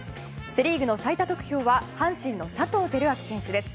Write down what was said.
セ・リーグの最多得票は阪神の佐藤輝明選手です。